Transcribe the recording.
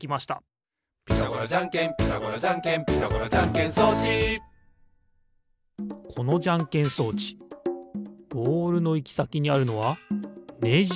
「ピタゴラじゃんけんピタゴラじゃんけん」「ピタゴラじゃんけん装置」このじゃんけん装置ボールのいきさきにあるのはネジですかね。